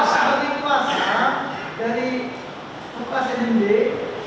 saya menolak dari lukas nmb